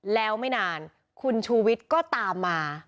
แล้วไม่นานคุณชูวิทย์ก็ตามมา